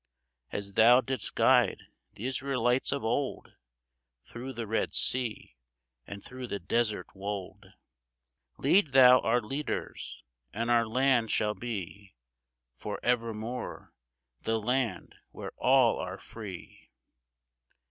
As Thou didst guide the Israelites of old Through the Red Sea, and through the desert wold, Lead Thou our leaders, and our land shall be For evermore, the land where all are free